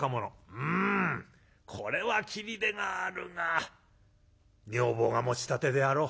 「うんこれは斬りでがあるが女房が持ちたてであろう。